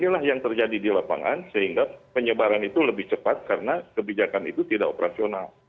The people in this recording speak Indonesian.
inilah yang terjadi di lapangan sehingga penyebaran itu lebih cepat karena kebijakan itu tidak operasional